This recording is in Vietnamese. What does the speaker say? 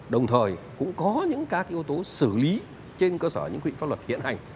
đồng thời cũng có những các yếu tố xử lý trên cơ sở những quy định pháp luật hiện hành